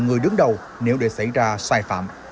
người đứng đầu nếu để xảy ra sai phạm